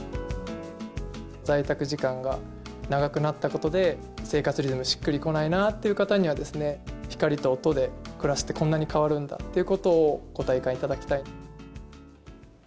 在宅時間が長くなったことで、生活リズム、しっくりこないなっていう方には、光と音で暮らして、こんなに変わるんだってことをご体感いただきたいと。